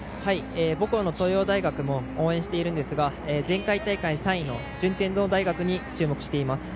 母校の東洋大学も応援しているんですが前回大会３位の順天堂大学に注目しています。